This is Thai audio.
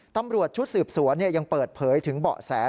ตำรวจชุดสืบสวนยังเปิดเผยถึงเบาะแส